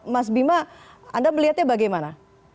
mas bima anda melihatnya bagaimana